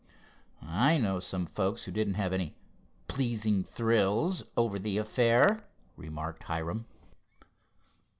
"I know some folks who didn't have any pleasing thrills over the affair," remarked Hiram.